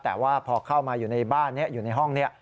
แต่ว่าพอเข้ามาอยู่ในบ้านนี้อยู่ในห้องนี้